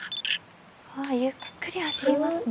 わあゆっくり走りますね。